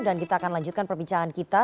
kita akan lanjutkan perbincangan kita